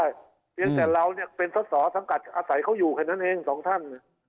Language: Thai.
เพียงแต่เราเนี่ยเป็นสอสอสังกัดอาศัยเขาอยู่แค่นั้นเองสองท่าน